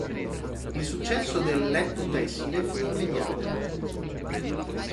Il successo del "letto tessile" fu immediato.